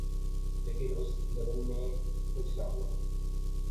لیکن اس ضمن میں کچھ نہ ہوا